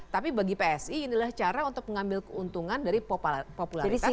tapi bagi psi inilah cara untuk mengambil keuntungan dari popularitas